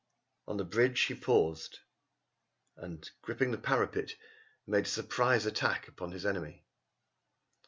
On the bridge he paused and, gripping the parapet, made a surprise attack upon his enemy.